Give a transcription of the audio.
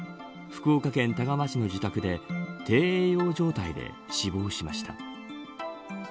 福岡県田川市の自宅で低栄養状態で死亡しました。